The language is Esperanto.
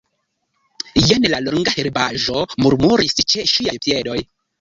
Jen la longa herbaĵo murmuris ĉe ŝiaj piedoj.